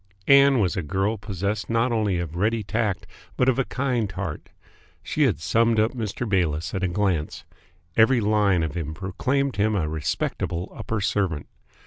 Ann was a girl possessed not only of ready tact but of a kind heart. She had summed up Mr. Bayliss at a glance. Every line of him proclaimed him a respectable upper servant.